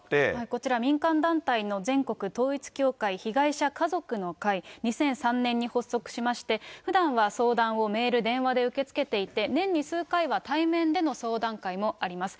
こちら民間団体の全国統一教会被害者家族の会、２００３年に発足しまして、ふだんは相談をメール、電話で受け付けていて、年に数回は、対面での相談会もあります。